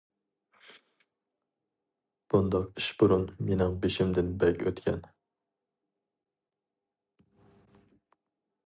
بۇنداق ئىش بۇرۇن مىنىڭ بېشىمدىن بەك ئۆتكەن.